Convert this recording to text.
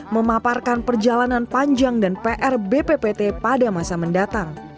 memaparkan perjalanan panjang dan pr bppt pada masa mendatang